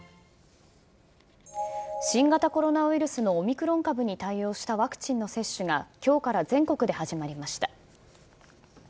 新型コロナウイルスのオミクロン株に対応したワクチンの接種が、きょうから全国で始まりました。